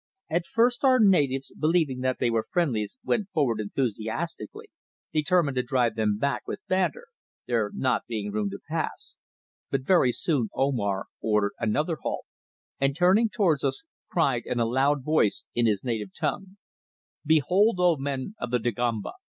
At first our natives, believing that they were friendlies, went forward enthusiastically, determined to drive them back with banter, there not being room to pass, but very soon Omar ordered another halt, and turning towards us, cried in a loud voice in his native tongue: "Behold, O men of the Dagomba!